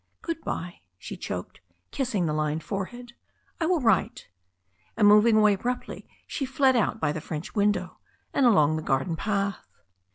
"Good bye," she choked, kissing the lined forehead. "I will write." And moving away abruptly, she fled out by the French window, and along the garden path.